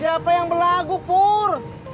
siapa yang belagu pur